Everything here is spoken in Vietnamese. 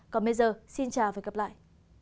còn bây giờ xin chào và gặp lại